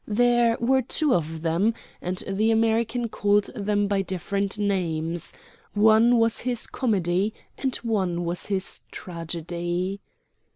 There were two of them, and the American called them by different names: one was his comedy and one was his tragedy.